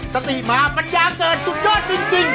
สติมาปัญญาเกิดสุดยอดจริง